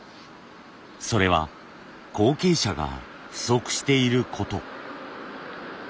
それは後継者が不足していること。